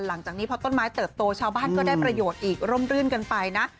หลังจากนี้พอต้นไม้เติบโตชาวบ้านก็ได้ประโยชน์อีกร่มรื่นกันไปนะ